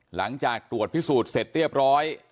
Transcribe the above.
หลังจากตรวจพิสูจน์เสร็จเรียบร้อย